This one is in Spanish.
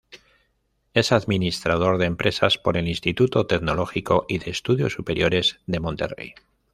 Es Administrador de Empresas por el Instituto Tecnológico y de Estudios Superiores de Monterrey.